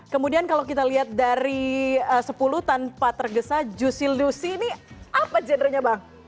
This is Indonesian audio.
kemudian kalau kita lihat dari sepuluh tanpa tergesa jusi lucy ini apa genrenya bang